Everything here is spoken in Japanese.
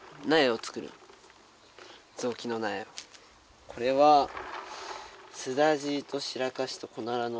これはスダジイとシラカシとコナラの。